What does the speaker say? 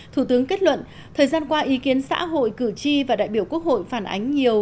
thủ tướng kết luận thời gian qua ý kiến xã hội cử tri và đại biểu quốc hội phản ánh nhiều